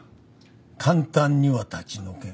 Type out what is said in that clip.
簡単には立ち退けん。